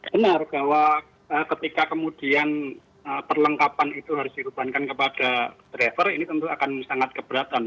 benar bahwa ketika kemudian perlengkapan itu harus dirubankan kepada driver ini tentu akan sangat keberatan